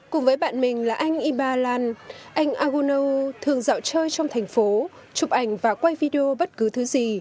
cùng với bạn mình là anh ibar lan anh agounou thường dạo chơi trong thành phố chụp ảnh và quay video bất cứ thứ gì